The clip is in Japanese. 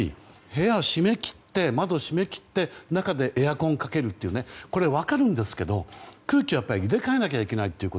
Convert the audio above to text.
部屋は閉め切って、窓閉め切って中でエアコンをかけるというのは分かるんですけど空気を入れ替えなきゃいけないと。